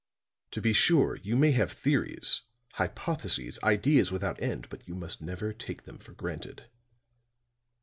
To be sure, you may have theories, hypotheses, ideas without end, but you must never take them for granted.